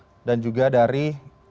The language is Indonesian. investasi dan juga swasta begitu ya